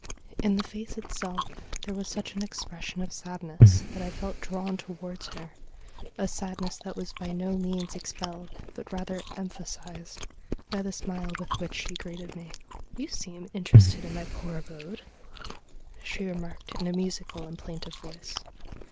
In the face itself there was such an expression of sadness that I felt drawn towards her, a sadness that was by no means expelled, but rather emphasised, by the smile with which she greeted me. ' You seem interested in my poor abode,' she remarked in a musical and plaintive voice.